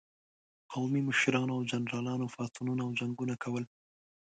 قومي مشرانو او جنرالانو پاڅونونه او جنګونه کول.